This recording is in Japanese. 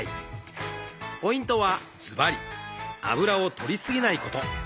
ポイントはずばりあぶらをとりすぎないこと。